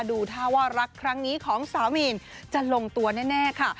ดูท่าว่ารักครั้งนี้ของสาวมีนจะลงตัวแน่ค่ะ